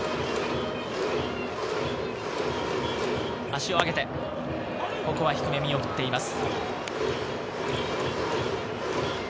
足を上げて、ここは低め、見送っています。